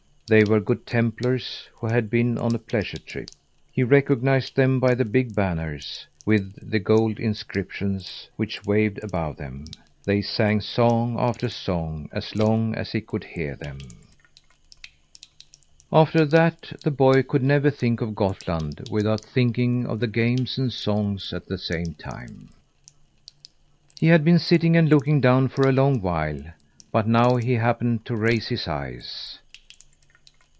They were Good Templars who had been on a pleasure trip. He recognized them by the big banners with the gold inscriptions which waved above them. They sang song after song as long as he could hear them. After that the boy could never think of Gottland without thinking of the games and songs at the same time. He had been sitting and looking down for a long while; but now he happened to raise his eyes.